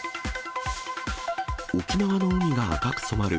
沖縄の海が赤く染まる。